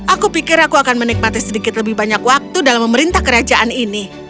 aku pikir aku akan menikmati sedikit lebih banyak waktu dalam memerintah kerajaan ini